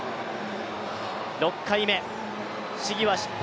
６回目、試技は失敗。